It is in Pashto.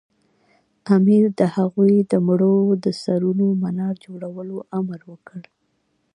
امیر د هغوی د مړو د سرونو منار جوړولو امر وکړ.